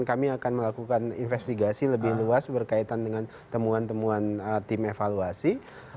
kami akan melakukan investigasi lebih luas berkaitan dengan temuan temuan tim evaluasi